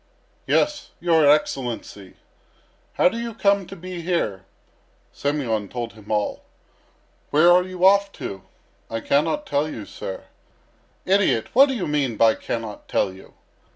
"Yes, your Excellency." "How do you come to be here?" Semyon told him all. "Where are you off to?" "I cannot tell you, sir." "Idiot! What do you mean by 'cannot tell you?'"